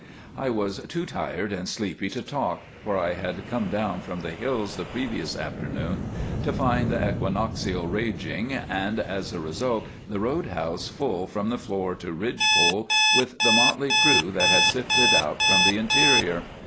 I was too tired and sleepy to talk, for I had come down from the hills the previous afternoon to find the equinoxial raging, and as a result the roadhouse full from floor to ridge pole with the motley crew that had sifted out from the interior.